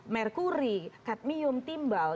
merkuri kadmium timbal